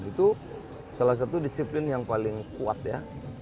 itu salah satu disiplin yang paling kuat ya